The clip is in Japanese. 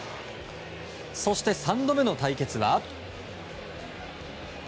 そして３度目の対決は。